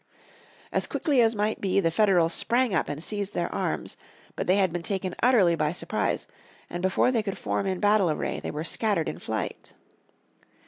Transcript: As quickly as might be the Federals sprang up and seized their arms. But they had been taken utterly by surprise, and before they could form in battle array they were scattered in flight.